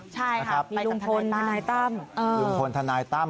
ใช่ค่ะมีลุงพลทนายตั้มลุงพลทนายตั้ม